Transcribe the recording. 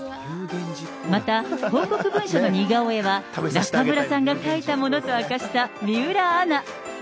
また、報告文書の似顔絵は、中村さんが描いたものと明かした水卜アナ。